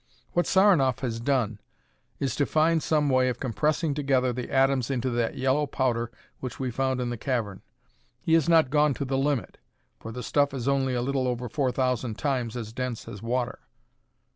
What Saranoff has done is to find some way of compressing together the atoms into that yellow powder which we found in the cavern. He has not gone to the limit, for the stuff is only a little over four thousand times as dense as water.